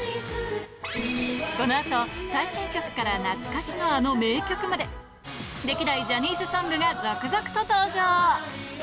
このあと、最新曲から懐かしのあの名曲まで、歴代ジャニーズソングが続々と登場。